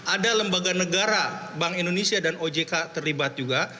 ada lembaga negara bank indonesia dan ojk terlibat juga